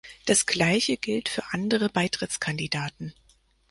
Das Gleiche gilt für andere Beitrittskandidaten.